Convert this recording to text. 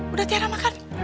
udah tiara makan